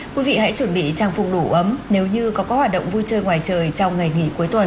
quý vị hãy chuẩn bị trang phùng đủ ấm nếu như có các hoạt động vui chơi ngoài trời trong ngày nghỉ cuối tuần